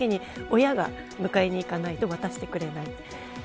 その３時のときに親が迎えに行かないと渡してくれない。